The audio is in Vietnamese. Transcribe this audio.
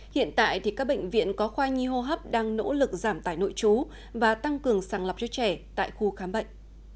hiện tại các bệnh viện có khoa nhi hô hấp đang nỗ lực giảm tải nội chú và tăng cường sàng lọc cho trẻ tại khu khám bệnh